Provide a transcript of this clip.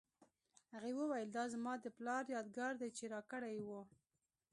هغې وویل دا زما د پلار یادګار دی چې راکړی یې و